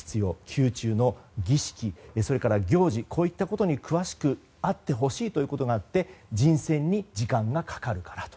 宮中の儀式や行事などこういったことに詳しくあってほしいということがあって人選に時間がかかるからと。